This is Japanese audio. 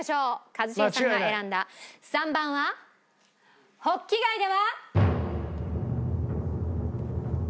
一茂さんが選んだ３番はホッキ貝では。